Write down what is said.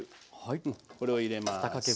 うんこれを入れます。